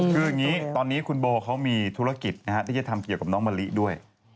คืออย่างนี้ตอนนี้คุณโบเขามีธุรกิจที่จะทำเกี่ยวกับน้องมะลิด้วย